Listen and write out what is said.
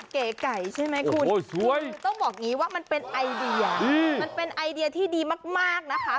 เก๋ใช่มั้ยคุณคุณต้องบอกนี้ว่ามันเป็นไอเดียมันเป็นไอเดียที่ดีมากนะคะ